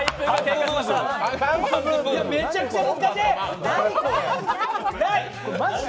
めちゃくちゃ難しい。